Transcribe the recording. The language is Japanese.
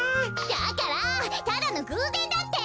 だからただのぐうぜんだって！